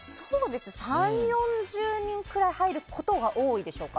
３０４０人ぐらい入ることが多いでしょうか。